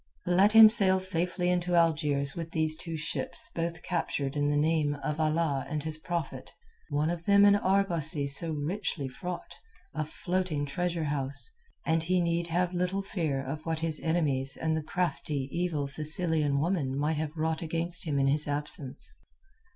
Let him sail safely into Algiers with these two ships both captured in the name of Allah and his Prophet, one of them an argosy so richly fraught, a floating treasure house, and he need have little fear of what his enemies and the crafty evil Sicilian woman might have wrought against him in his absence.